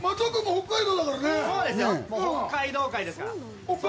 北海道会ですから。